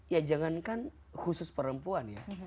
ya jangankan khusus perempuan ya